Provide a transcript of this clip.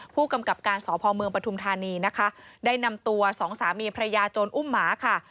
ผู้กำกับการสพเมืองปฐุมธานีนะคะได้นำตัวสองสามีพระยาโจรอุ้มหมาค่ะ